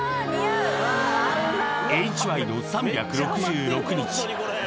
ＨＹの「３６６日」